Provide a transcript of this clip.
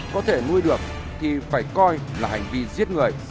có thể nuôi được thì phải coi là hành vi giết người